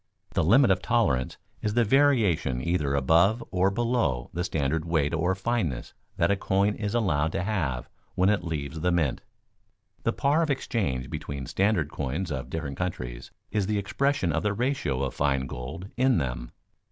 The limit of tolerance is the variation either above or below the standard weight or fineness that a coin is allowed to have when it leaves the mint. The par of exchange between standard coins of different countries is the expression of the ratio of fine gold in them.